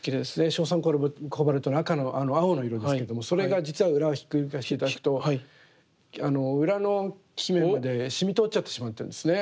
硝酸コバルトの青の色ですけれどもそれが実は裏ひっくり返して頂くと裏のきめまで染み通っちゃってしまってるんですね。